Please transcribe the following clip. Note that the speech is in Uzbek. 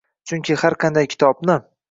Chunki har qanday kitobni